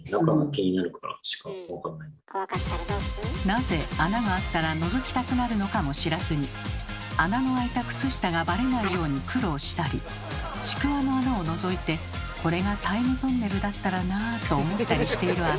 なぜ穴があったらのぞきたくなるのかも知らずに穴のあいた靴下がバレないように苦労したりちくわの穴をのぞいて「これがタイムトンネルだったらな」と思ったりしているあなた。